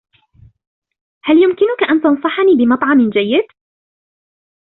هل يمكنك أن تنصحني بمطعم جيد ؟